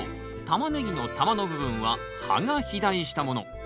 タマネギの球の部分は葉が肥大したもの。